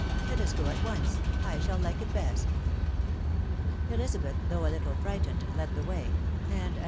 Let us go at once : I shall like it best." Elizabeth, though a little frightened, led the way; and as.